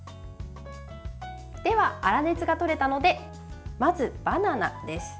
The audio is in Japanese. では、粗熱がとれたのでまず、バナナです。